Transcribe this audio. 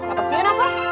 apa sih ya naka